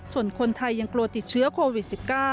ส่วนคนไทยยังกลัวติดเชื้อโควิด๑๙